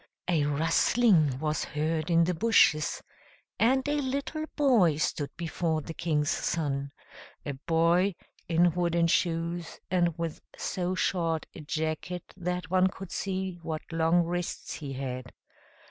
A rustling was heard in the bushes, and a little boy stood before the King's Son, a boy in wooden shoes, and with so short a jacket that one could see what long wrists he had.